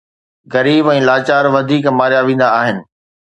غريب ۽ لاچار وڌيڪ ماريا ويندا آهن.